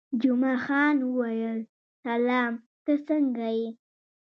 جمعه خان وویل: سلام، ته څنګه یې؟